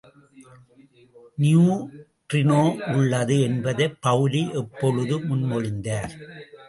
Neutrino உள்ளது என்பதை Pauli எப்பொழுது முன் மொழிந்தார்?